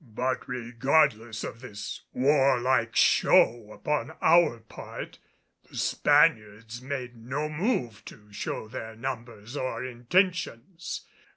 But regardless of this warlike show upon our part, the Spaniards made no move to show their numbers or intentions.